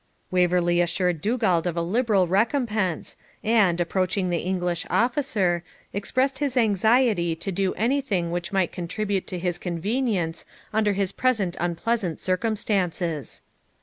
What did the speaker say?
Waverley assured Dugald of a liberal recompense, and, approaching the English officer, expressed his anxiety to do anything which might contribute to his convenience under his present unpleasant circumstances.